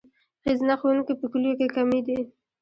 ښځینه ښوونکي په کلیو کې کمې دي.